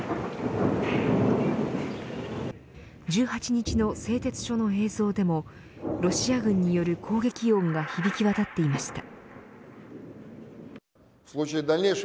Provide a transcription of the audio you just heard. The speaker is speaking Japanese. １８日の製鉄所の映像でもロシア軍による攻撃音が響き渡っていました。